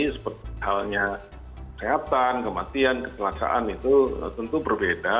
seperti halnya kesehatan kematian keselakaan itu tentu berbeda